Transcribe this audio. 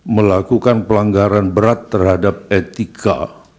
melakukan pelanggaran berat terhadap etika